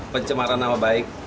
pencemaran nama baik